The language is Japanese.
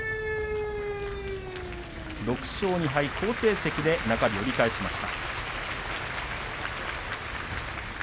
６勝２敗、好成績で中日を折り返しました。